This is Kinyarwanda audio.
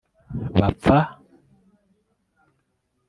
bapfa